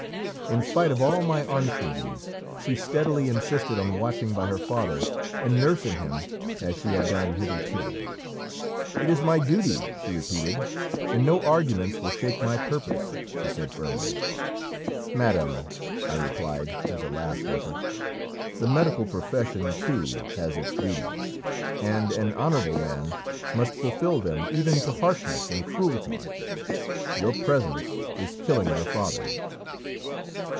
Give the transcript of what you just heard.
In spite of all my entreaties she steadily insisted on watching by her father and nursing him as she had done hitherto. "It is my duty," she repeated, "and no arguments will shake my purpose," she said firmly. "Madam," I replied as a last effort, "the medical profession, too, has its duties, and an honourable man must fulfil them even to harshness and cruelty; your presence is killing your father."